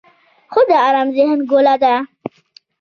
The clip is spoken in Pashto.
خوب د آرام ذهن ګواه دی